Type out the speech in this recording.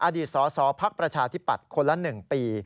อดีตสสพักประชาธิปัตย์คนละ๑ปี